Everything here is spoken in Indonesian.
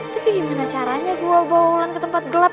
tapi gimana caranya gue bawa wulan ke tempat gelap